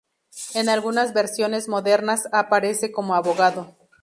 En algunas versiones modernas aparece como abogado.